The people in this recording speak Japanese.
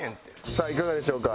さあいかがでしょうか？